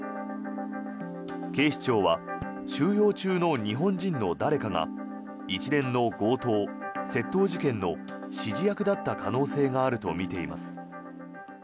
警視庁は収容中の日本人の誰かが一連の強盗・窃盗事件の指示役だった可能性があるとみています。